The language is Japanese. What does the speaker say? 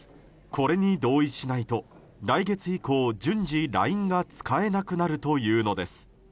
これに同意しないと来月以降順次、ＬＩＮＥが使えなくなるというのです。